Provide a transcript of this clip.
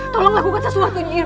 tolong lakukan sesuatu nyiro